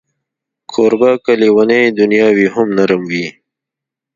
کوربه که لېونۍ دنیا وي، هم نرم وي.